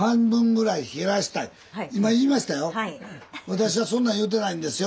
私はそんなん言うてないんですよ。